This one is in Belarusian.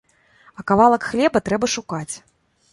А кавалак хлеба трэба шукаць.